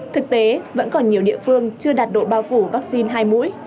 thực tế vẫn còn nhiều địa phương chưa đạt độ bao phủ vaccine hai mũi